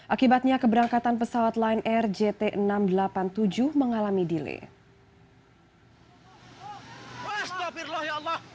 akibatnya keberangkatan pesawat lion air jt enam ratus delapan puluh tujuh mengalami delay